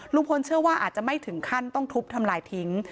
เชื่อว่าอาจจะไม่ถึงขั้นต้องทุบทำลายทิ้ง